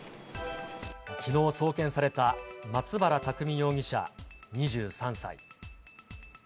きのう送検された松原拓海容疑者２３歳。